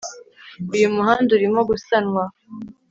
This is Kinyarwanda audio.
Uyu muhanda urimo gusanwa